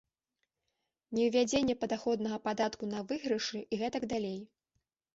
Неўвядзенне падаходнага падатку на выйгрышы і гэтак далей.